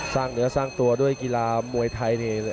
สร้างเนื้อสร้างตัวด้วยกีฬามวยไทยนี่